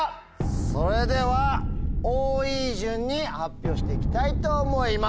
それでは多い順に発表していきたいと思います。